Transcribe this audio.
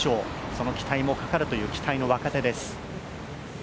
その期待もかかるという、期待の若手です。